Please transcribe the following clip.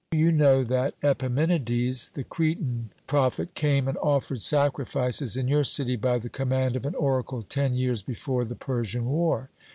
You know that Epimenides, the Cretan prophet, came and offered sacrifices in your city by the command of an oracle ten years before the Persian war.